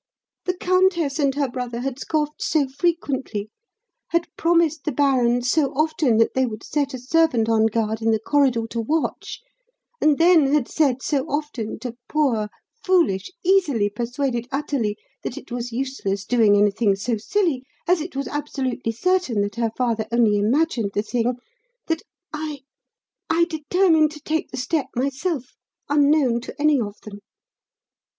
The countess and her brother had scoffed so frequently, had promised the baron so often that they would set a servant on guard in the corridor to watch, and then had said so often to poor, foolish, easily persuaded Athalie that it was useless doing anything so silly, as it was absolutely certain that her father only imagined the thing, that I I determined to take the step myself, unknown to any of them.